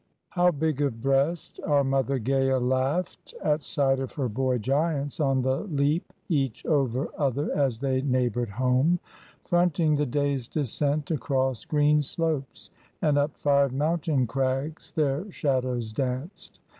] HOW big of breast our Mother Gaea laughed At sight of her boy Giants on the leap Each over other as they neighboured home, Fronting the day's descent across green slopes, And up fired mountain crags their shadows danced.